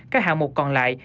các hạng mục còn lại